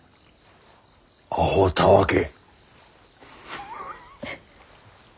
あほたわけ。